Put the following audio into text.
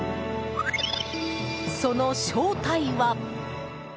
その正体は？